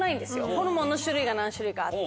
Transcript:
ホルモンの種類が何種類かあって。